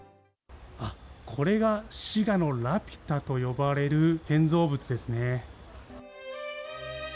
あっ、これが滋賀のラピュタと呼ばれる建造物ですね。